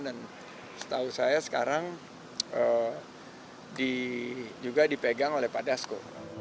dan setahu saya sekarang juga dipegang oleh pak dasko